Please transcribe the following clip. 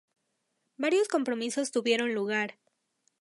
Varios compromisos tuvieron lugar.